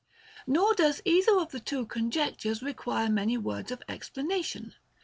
2. Nor does either of the two conjectures require many words of explanation.